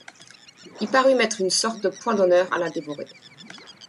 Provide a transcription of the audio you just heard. Il parut mettre une sorte de point d'honneur à la dévorer.